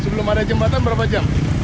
sebelum ada jembatan berapa jam